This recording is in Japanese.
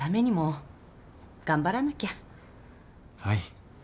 はい。